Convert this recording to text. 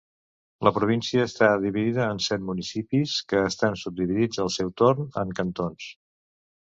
La província està dividida en set municipis, que estan subdividits al seu torn en cantons.